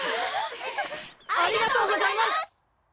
ありがとうございます！